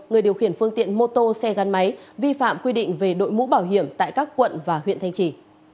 người điều khiển phương tiện mô tô xe gắn máy vi phạm quy định về đội mũ bảo hiểm tại các quận và huyện thanh trì